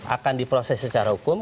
akan diproses secara hukum